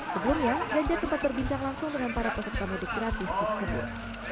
sebelumnya ganjar sempat berbincang langsung dengan para peserta mudik gratis tersebut